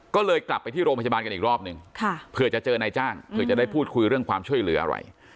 ก็เลยกลับไปที่โรงพยาบาลกันอีกรอบนึงเผื่อจะเจอนายจ้างเผื่อจะได้พูดคุยเรื่องความช่วยเหลืออะไร